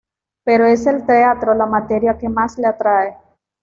Pero es el teatro la materia que más le atrae.